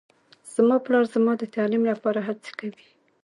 زما پلار زما د تعلیم لپاره هڅې کوي